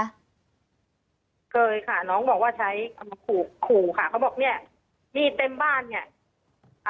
เคยค่ะน้องบอกว่าใช้ขู่ค่ะเขาบอกนี่เต็มบ้านไง